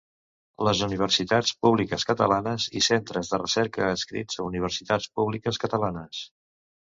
Les universitats públiques catalanes i centres de recerca adscrits a universitats públiques catalanes.